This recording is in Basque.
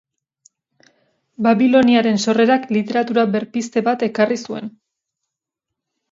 Babiloniaren sorrerak literatura berpizte bat ekarri zuen.